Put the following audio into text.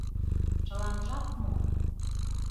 Чыланжак мо?